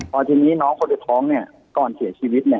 พอทีนี้น้องคนอื่นท้องเนี่ยก่อนเสียชีวิตเนี่ย